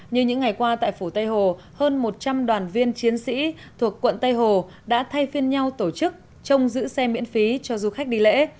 như những ngày qua tại phủ tây hồ hơn một trăm linh đoàn viên chiến sĩ thuộc quận tây hồ đã thay phiên nhau tổ chức trông giữ xe miễn phí cho du khách đi lễ